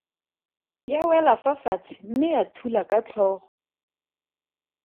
Ya wela fa fatshe mme ya thula ka tlhogo.